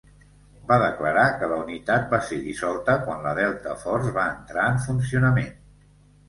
Va declarar que la unitat va ser dissolta quan la Delta Force va entrar en funcionament.